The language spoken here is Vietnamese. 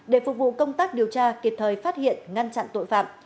để phục vụ công tác điều tra kịp thời phát hiện ngăn chặn tội phạm